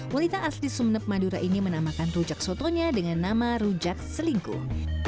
wanita asli sumeneb madura ini menamakan rujak sotonya dengan nama rujak selingkuh